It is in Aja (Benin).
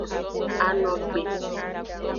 Anogbe.